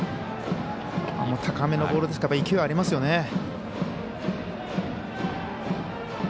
高めのボールですから勢いありますよね。